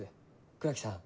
倉木さん